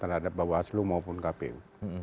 terhadap bawaslu maupun kpu